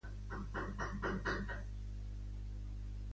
S'ha entebeït molt: ja no m'estima com abans.